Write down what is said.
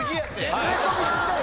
詰め込みすぎだよ。